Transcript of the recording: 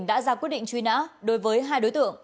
đã ra quyết định truy nã đối với hai đối tượng